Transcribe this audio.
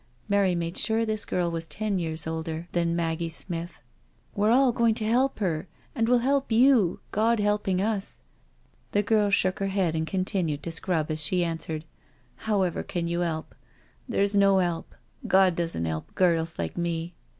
Mary made sure this girl was ten years older than Maggie Smith. " We're all going to help. her, and we'll help you, God helping us." The girl shook her head and continued to scrub as she answered: "However can you 'elp? There's no 'elp — God doesn't 'elp girls like me.